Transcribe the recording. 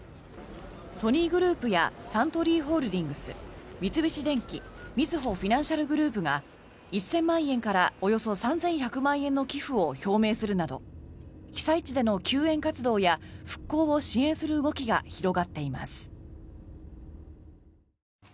ソニーグループやサントリーホールディングス三菱電機みずほフィナンシャルグループが１０００万円からおよそ３１００万円の寄付を表明するなど被災地での救援活動や復興を支援する動きが広がっています。